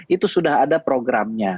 itu sudah ada programnya